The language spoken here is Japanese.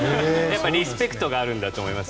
リスペクトがあるんだと思います。